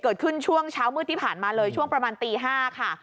เกิดขึ้นช่วงเช้ามืดที่ผ่านมาเลยช่วงประมาณตี๕ค่ะ